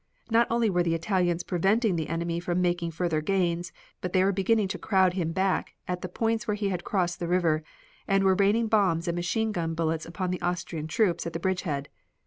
Not only were the Italians preventing the enemy from making further gains, but they were beginning to crowd him back at the points where he had crossed the river, and were raining bombs and machine gun bullets upon the Austrian troops at the bridgehead.